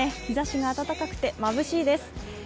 日ざしが暖かくて、まぶしいです。